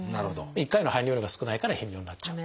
１回の排尿量が少ないから頻尿になっちゃう。